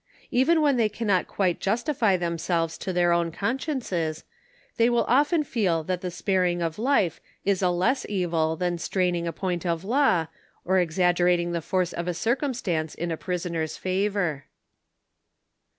Even when they cannot quite justify themselves to their own consciences, they will often feel that the sparing of life is a less evil than straining a point of law, or exag gerating the force of a circumstance in a prisoner's favor.